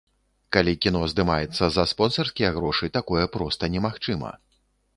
Калі кіно здымаецца за спонсарскія грошы, такое проста немагчыма.